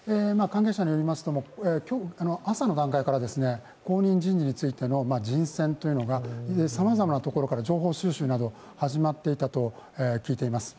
関係者によりますと朝の段階から後任人事についての人選がさまざまなところから情報収集など始まっていたと聞いています。